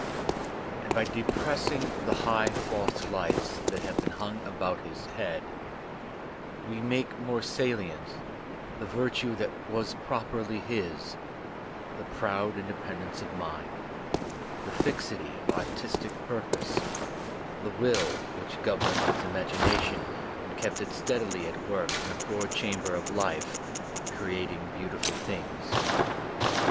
And by depressing the high false lights that have been hung about his Digitized by Google 134 THE SPIRIT OF AMERICAN LITERATURE head, we make more salient the virtue that was properly his, the proud independence of mind, the fixity of artistic pur ^ pose, the will which governed his imagination and kept it steadily at work in a poor ch'amber of life, creating beautiful things.